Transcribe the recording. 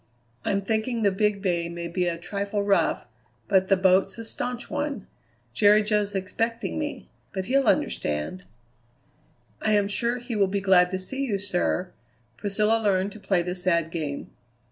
I'm thinking the Big Bay may be a trifle rough, but the boat's a staunch one. Jerry Jo's expecting me; but he'll understand." "I am sure he will be glad to see you, sir." Priscilla learned to play the sad game.